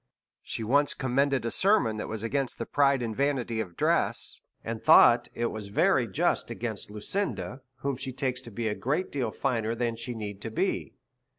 She once commended a sermon that was against the pride and vanity of dress, and thought it was very just against Lucinda, whom she takes to be a great deal finer than she need to be.